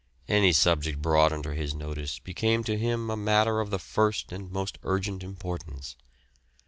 Any subject brought under his notice became to him a matter of the first and most urgent importance.